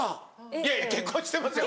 いやいや結婚してますよ